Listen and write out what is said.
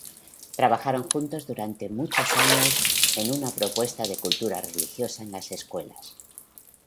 Trabajaron juntos durante muchos años en una propuesta de cultura religiosa en las escuelas.